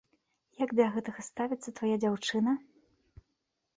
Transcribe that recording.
Як да гэтага ставіцца твая дзяўчына?